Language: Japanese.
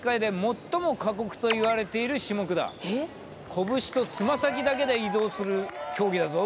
拳とつま先だけで移動する競技だぞ。